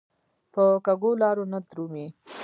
په کږو لارو نه درومي.